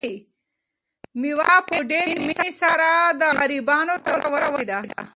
مېوه په ډېرې مینې سره د غریبانو تر کوره ورسېده.